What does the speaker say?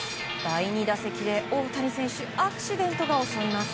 第２打席で大谷選手アクシデントが襲います。